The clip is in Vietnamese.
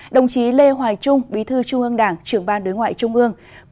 đồng chí lê hoài trung bí thư trung ương đảng trưởng ban đối ngoại trung ương